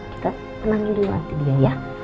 kita tenangin dulu waktu dia ya